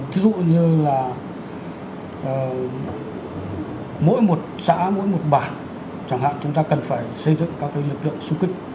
thí dụ như là mỗi một xã mỗi một bản chẳng hạn chúng ta cần phải xây dựng các lực lượng xung kích